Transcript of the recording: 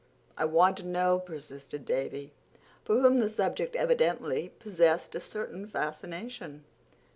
I want to know," persisted Davy, for whom the subject evidently possessed a certain fascination.